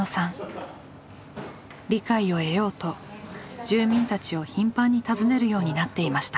理解を得ようと住民たちを頻繁に訪ねるようになっていました。